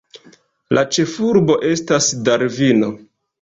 La ĉefurbo estas Darvino.